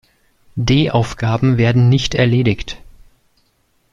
D-Aufgaben werden "nicht" erledigt.